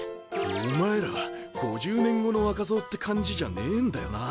おまえらは５０年後の若造って感じじゃねえんだよな。